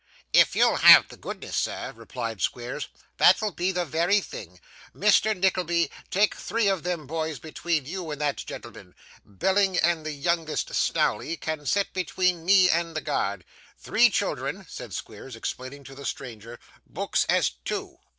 'If you'll have the goodness, sir,' replied Squeers, 'that'll be the very thing. Mr. Nickleby, take three of them boys between you and the gentleman. Belling and the youngest Snawley can sit between me and the guard. Three children,' said Squeers, explaining to the stranger, 'books as two.